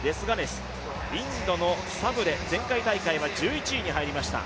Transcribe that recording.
インドのサブレ、前回大会は１１位に入りました。